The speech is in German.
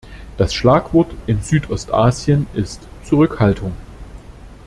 Das Schlagwort in Südostasien ist Zurückhaltung.